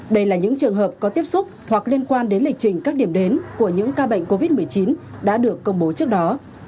đây là những trường hợp có tiếp xúc hoặc liên quan đến lịch trình các điểm đến của những ca bệnh covid một mươi chín đã được công bố trước đó